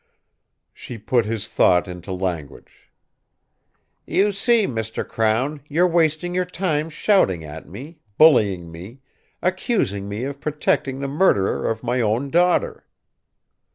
She put his thought into language. "You see, Mr. Crown, you're wasting your time shouting at me, bullying me, accusing me of protecting the murderer of my own daughter."